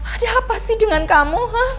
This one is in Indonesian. ada apa sih dengan kamu